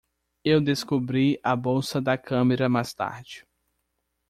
Eu descobri a bolsa da câmera mais tarde.